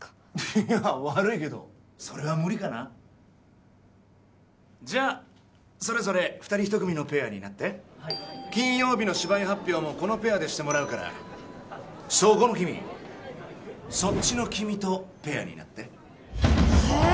いや悪いけどそれは無理かなじゃあそれぞれ二人一組のペアになって金曜日の芝居発表もこのペアでしてもらうからそこの君そっちの君とペアになってはあ！？